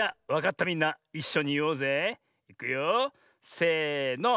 せの。